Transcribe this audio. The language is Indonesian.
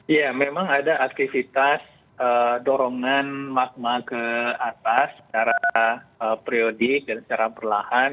ya memang ada aktivitas dorongan magma ke atas secara periodik dan secara perlahan